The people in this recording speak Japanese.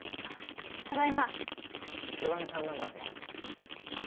ただいま白金さん何だって？